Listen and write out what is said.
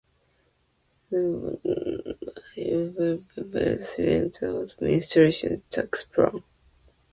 Santos ultimately chose Rosenthal, as he would be better selling the administration's tax plan.